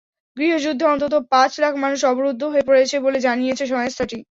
গৃহযুদ্ধে অন্তত পাঁচ লাখ মানুষ অবরুদ্ধ হয়ে পড়েছে বলে জানিয়েছে সংস্থাটি।